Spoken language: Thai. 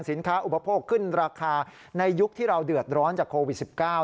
อุปโภคขึ้นราคาในยุคที่เราเดือดร้อนจากโควิด๑๙